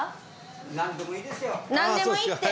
なんでもいいって。